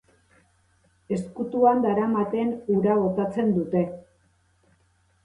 Ezkutuan daramaten ura botatzen dute.